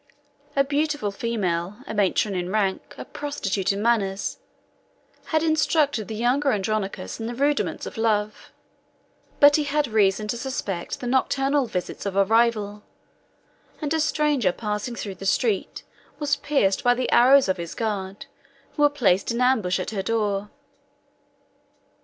A beautiful female, a matron in rank, a prostitute in manners, had instructed the younger Andronicus in the rudiments of love; but he had reason to suspect the nocturnal visits of a rival; and a stranger passing through the street was pierced by the arrows of his guards, who were placed in ambush at her door.